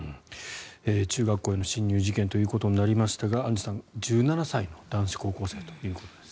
中学校への侵入事件ということになりましたがアンジュさん、１７歳の男子高校生ということです。